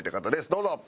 どうぞ！